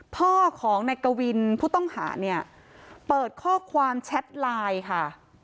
พ่อของนายกวินผู้ต้องหาเนี่ยเปิดข้อความแชทไลน์ค่ะ